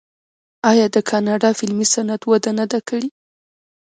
آیا د کاناډا فلمي صنعت وده نه ده کړې؟